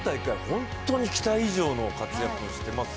本当に期待以上の活躍をしてます。